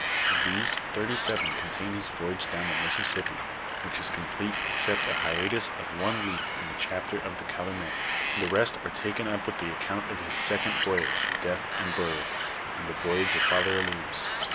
Of these, thirty seven contain his voyage down the Mississippi, which is complete except a hiatus of one leaf in the chapter on the calumet; the rest are taken np with the account of his second voyage, death and burials, and the voyage of Father Allouez.